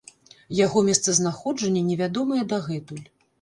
Яго месцазнаходжанне невядомае дагэтуль.